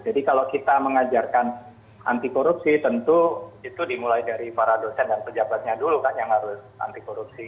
jadi kalau kita mengajarkan anti korupsi tentu itu dimulai dari para dosen dan pejabatnya dulu kan yang harus anti korupsi